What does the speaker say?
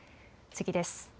次です。